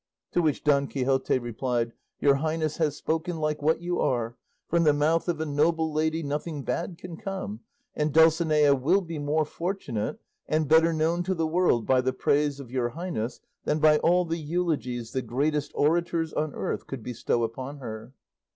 To which Don Quixote replied, "Your highness has spoken like what you are; from the mouth of a noble lady nothing bad can come; and Dulcinea will be more fortunate, and better known to the world by the praise of your highness than by all the eulogies the greatest orators on earth could bestow upon her."